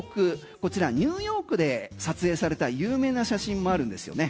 こちらニューヨークで撮影された有名な写真もあるんですよね。